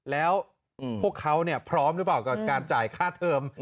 แล้วพวกเขาพร้อมหรือเปล่ากับการจ่ายค่าเทอม